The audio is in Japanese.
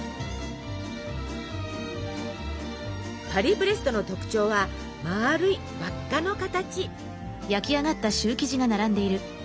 パリブレストの特徴はまるい輪っかの形。